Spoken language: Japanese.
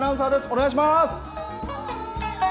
お願いします。